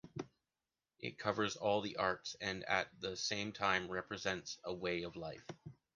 It covers all the arts and at the same time represents a way of life.